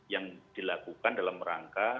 yang dilakukan dalam rangka